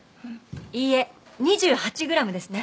いいえ２８グラムですね。